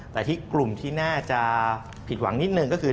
แต่ที่กลุ่มที่น่าจะผิดหวังนิดหนึ่งก็คือ